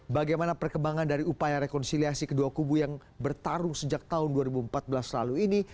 bagaimana perkembangan dari upaya rekonsiliasi kedua kubu yang bertarung sejak tahun dua ribu empat belas lalu ini